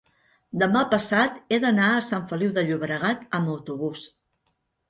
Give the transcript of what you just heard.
demà passat he d'anar a Sant Feliu de Llobregat amb autobús.